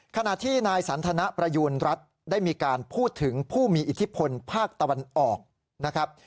ขณะที่นายสันทนประยูณรัฐได้มีการพูดถึงผู้มีอิทธิพลภาคตะวันออกนะครับ